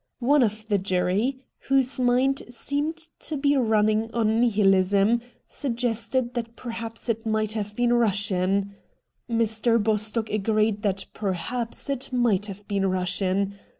One of the jury, whose A NINE DAYS' WONDER 201 mind seemed to be running on Nihilism, suggested tliat perhaps it might have been Eussian. Mr. Bostock agreed that perhaps it might have been Eussian.